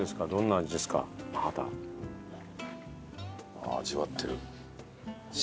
ああ味わってる。